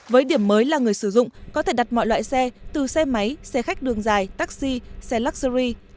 với điểm mới là người sử dụng có thể đặt mọi loại xe từ xe máy xe khách đường dài taxi xe luxury